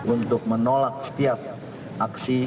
untuk menolak setiap aksi